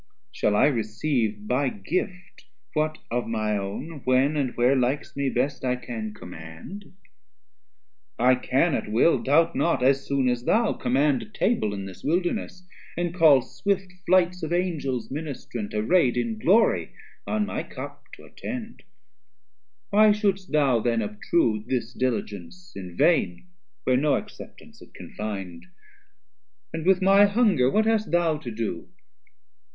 380 Shall I receive by gift what of my own, When and where likes me best, I can command? I can at will, doubt not, as soon as thou, Command a Table in this Wilderness, And call swift flights of Angels ministrant Array'd in Glory on my cup to attend: Why shouldst thou then obtrude this diligence, In vain, where no acceptance it can find, And with my hunger what hast thou to do?